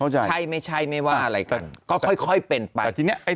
ใช่ไม่ใช่ไม่ว่าอะไรกันก็ค่อยเป็นไป